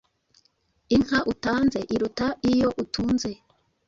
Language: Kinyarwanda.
Inka utanze iruta iyo utunze.